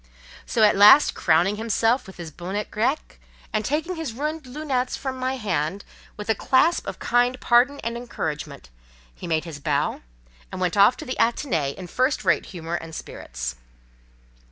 So, at last, crowning himself with his bonnet grec, and taking his ruined "lunettes" from my hand with a clasp of kind pardon and encouragement, he made his bow, and went off to the Athénée in first rate humour and spirits.